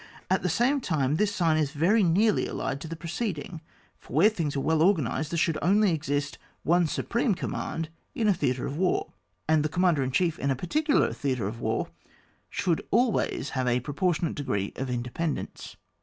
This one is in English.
At the same time this sign is very nearly allied to the preceding, for where things are well organised, there should only exist one supreme command in a Theatre of War, and the commander in chief in a particular Theatre of War should al ways have a proportionate degree of in dependence.